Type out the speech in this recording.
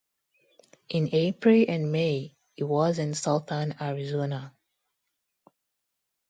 In April and May, he was in southern Arizona.